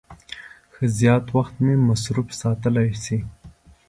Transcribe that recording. ښه زیات وخت مې مصروف ساتلای شي.